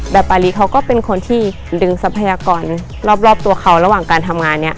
ปารีเขาก็เป็นคนที่ดึงทรัพยากรรอบตัวเขาระหว่างการทำงานเนี่ย